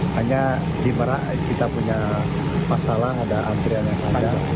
hanya di merak kita punya masalah ada antrian yang ada